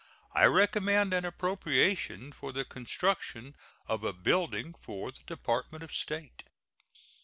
I recommend an appropriation for the construction of a building for the Department of State.